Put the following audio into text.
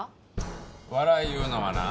笑いいうのはな